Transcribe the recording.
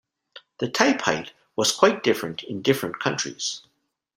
The type-height was quite different in different countries.